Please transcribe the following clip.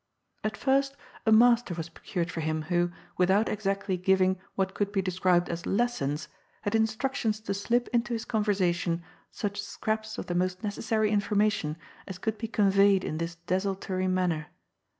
At first, a master was procured for him who, without exactly giving what could be described as lessons, had in structions to slip into his conversation such scraps of the most necessary infonnation as could be conveyed in this desultory manner.